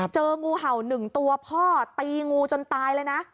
เจองูเห่า๑ตัวพ่อตีงูจนตายเลยนะ